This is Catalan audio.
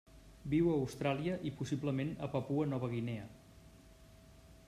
Viu a Austràlia i possiblement a Papua Nova Guinea.